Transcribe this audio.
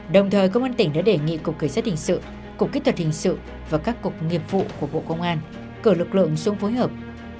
đồng thời công an tỉnh đã đề nghị cục cảnh sát hình sự cục kỹ thuật hình sự và các cục nghiệp vụ của bộ công an cử lực lượng xuống phối hợp